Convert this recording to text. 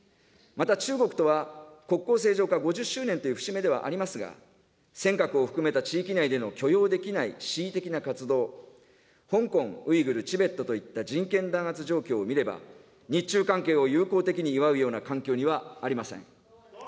また、中国とは国交正常化５０周年という節目ではありますが、尖閣を含めた地域内での許容できない示威的な活動、香港、ウイグル、チベットといった人権弾圧状況を見れば、日中関係を友好的に祝うような環境にはありません。